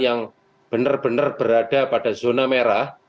yang benar benar berada pada zona merah